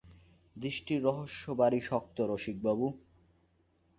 দৃষ্টির রহস্য ভারি শক্ত রসিকবাবু!